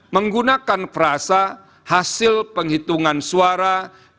menggunakan frasa hasil pemilihan umum